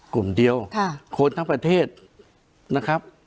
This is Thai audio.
กลุ่มเดียวคนทั้งประเทศนะครับ